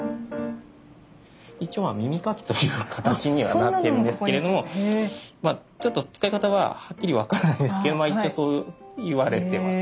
一応まあ耳かきという形にはなってるんですけれどもちょっと使い方ははっきり分からないんですけど一応そういわれてます。